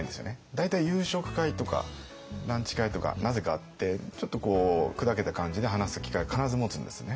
大体夕食会とかランチ会とかなぜかあってちょっとこう砕けた感じで話す機会を必ず持つんですね